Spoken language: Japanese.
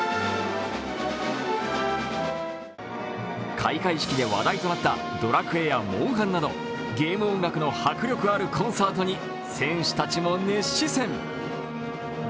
開会式で話題となった「ドラクエ」や「モンハン」などゲーム音楽の迫力あるコンサートに選手たちも熱視線。